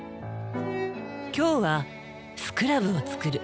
今日はスクラブを作る。